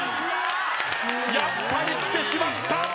やっぱり来てしまった！